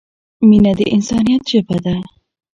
مینه د انسانیت ژبه ده.